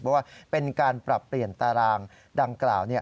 เพราะว่าเป็นการปรับเปลี่ยนตารางดังกล่าว